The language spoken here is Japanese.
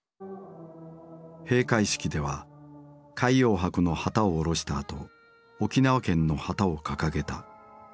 閉会式では海洋博の旗を降ろしたあと沖縄県の旗を掲げた。